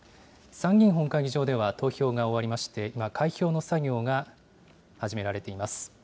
参議院本会議場では、投票が終わりまして、今、開票の作業が始められています。